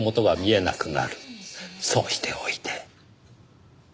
そうしておいて。